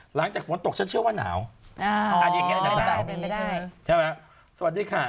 หลังจากฝนตกฉันเชื่อว่าหนาวอ่าอ๋อเป็นไปได้ใช่ไหมสวัสดีค่ะ